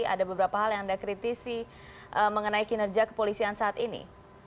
ada beberapa hal yang anda kritisi mengenai kinerja kepolisian saat ini